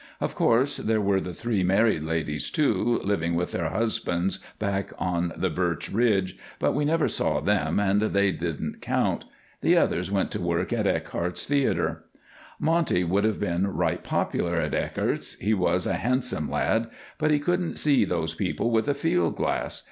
Of course there were the three married ladies, too, living with their husbands back on the Birch Ridge, but we never saw them and they didn't count. The others went to work at Eckert's theater. Monty would have been right popular at Eckert's he was a handsome lad but he couldn't see those people with a field glass.